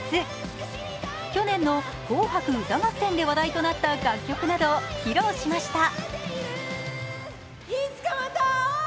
去年の「紅白歌合戦」で話題となった楽曲などを披露しました。